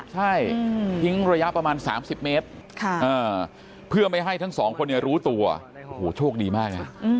ใช่ทิ้งระยะประมาณ๓๐เมตรเพื่อไม่ให้ทั้งสองคนรู้ตัวโอ้โหโชคดีมากนะ